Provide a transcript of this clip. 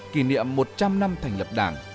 kỷ niệm một trăm linh năm thành lập đảng